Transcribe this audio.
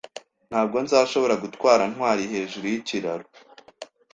Ntabwo nzashobora gutwara Ntwali hejuru yikiraro.